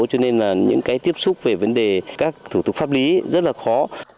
cho nên là những cái tiếp xúc về vấn đề các thủ tục pháp lý rất là khó